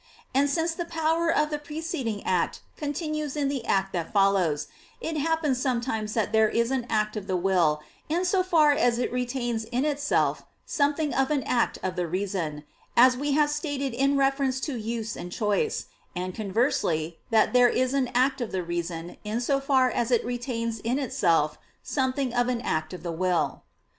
And since the power of the preceding act continues in the act that follows, it happens sometimes that there is an act of the will in so far as it retains in itself something of an act of the reason, as we have stated in reference to use and choice; and conversely, that there is an act of the reason in so far as it retains in itself something of an act of the will.